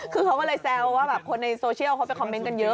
คือเขาก็เลยแซวว่าแบบคนในโซเชียลเขาไปคอมเมนต์กันเยอะ